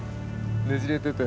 ねじれてて。